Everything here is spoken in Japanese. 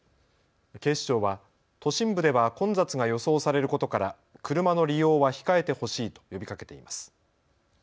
警視庁は都心部では混雑が予想されることから車の利用は控えてほしいと呼びかけています。